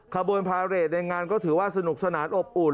ขบวนพาเรทในงานก็ถือว่าสนุกสนานอบอุ่น